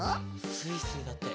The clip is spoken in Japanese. スイスイだって。